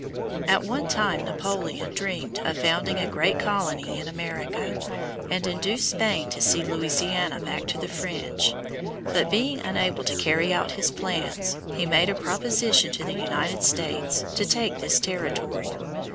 At one time Napoleon dreamed of founding a great colony in America, and induced Spain to cede Louisiana back to the French; but being unable to carry out his plans, he made a proposition to the United States to take this territory.